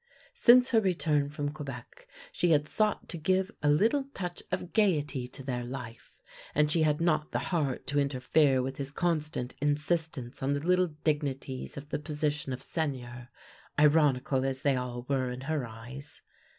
Since her return from Quebec she had sought to give a little touch of gaiety to their life, and she had not the heart to interfere with his constant insistence on the little dignities of the position of Seigneur, iron ical as they all were in her eyes.